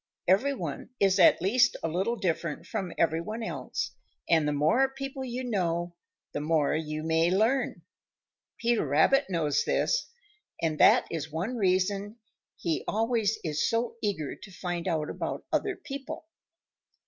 Every one is at least a little different from every one else, and the more people you know, the more you may learn. Peter Rabbit knows this, and that is one reason he always is so eager to find out about other people.